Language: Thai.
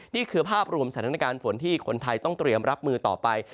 นี่คือภาพรวมสถานการณ์ฝนที่คนไทยต้องเตรียมรับมือต่อไป